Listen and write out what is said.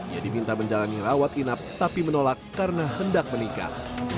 ia diminta menjalani rawat inap tapi menolak karena hendak menikah